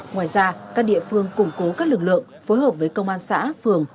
ngoài ra các địa phương củng cố các lực lượng phối hợp với công an xã phường